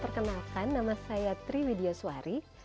perkenalkan nama saya triwi diaswari